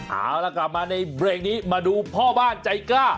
เอาล่ะกลับมาในเบรกนี้มาดูพ่อบ้านใจกล้า